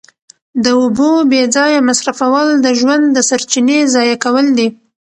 د اوبو بې ځایه مصرفول د ژوند د سرچینې ضایع کول دي.